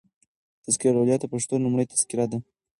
"تذکرة الاولیا" دپښتو لومړۍ تذکره ده.